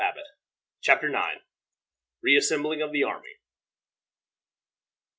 ] CHAPTER IX. REASSEMBLING OF THE ARMY.